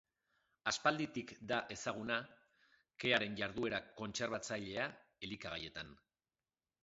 Aspalditik da ezaguna kearen jarduera kontserbatzailea elikagaietan.